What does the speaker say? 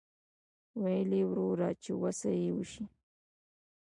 ویل یې وروره چې وسه یې وشي.